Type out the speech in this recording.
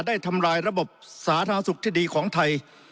ทำลายระบบสาธารณสุขที่ดีของไทย